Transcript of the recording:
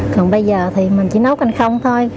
còn bây giờ thì mình chỉ nấu canh không thôi